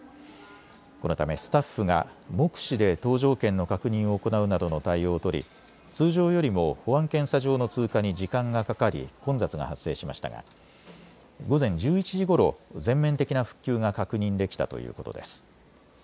このためスタッフが目視で搭乗券の確認を行うなどの対応を取り、通常よりも保安検査場の通過に時間がかかり混雑が発生しましたが午前１１時ごろ、全面的な復旧が確認できたということです。